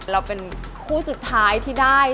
เราเป็นคู่สุดท้ายที่ได้